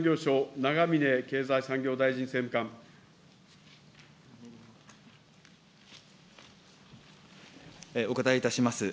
経済産業省、お答えいたします。